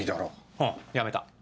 うんやめた。